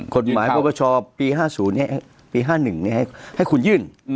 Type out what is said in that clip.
กฎหมายประประชาปี๕๕๐๕๑ให้คุณยื่น